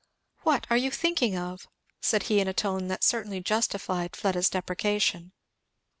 What are you thinking of?" said he in a tone that certainly justified Fleda's deprecation.